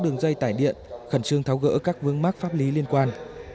đường dây tải điện khẩn trương tháo gỡ các vướng mắc pháp lý liên quan